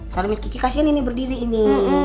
salam miss kiki kasih ini berdiri ini